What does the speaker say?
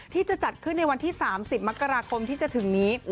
ที่จะจัดขึ้นในวันที่๓๐มกราคมที่จะถึงนี้